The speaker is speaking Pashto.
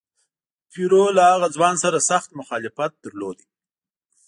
پیرو له هغه ځوان سره سخت مخالفت درلود.